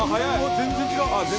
全然違う！